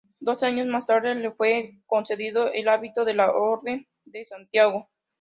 Dos años más tarde le fue concedido el hábito de la Orden de Santiago.